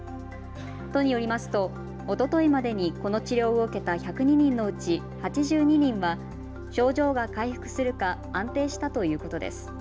都によりますとおとといまでにこの治療を受けた１０２人のうち８２人は症状が回復するか、安定したということです。